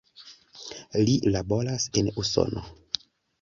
Li laboras en Usono.